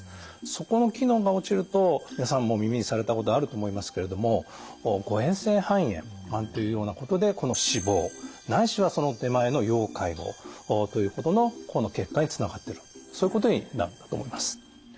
そこの機能が落ちると皆さんも耳にされたことあると思いますけれども誤えん性肺炎なんていうようなことでこの死亡ないしはその手前の要介護ということのこの結果につながってるそういうことになるんだと思います。